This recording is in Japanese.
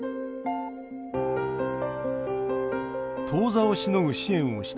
当座をしのぐ支援をした